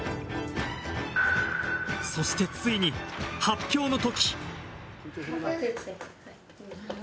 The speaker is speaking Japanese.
そしてついに、発表の時。